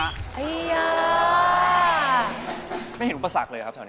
ไม่เห็นอุปสรรคเลยครับตอนนี้